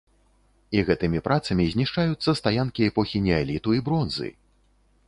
І гэтымі працамі знішчаюцца стаянкі эпохі неаліту і бронзы!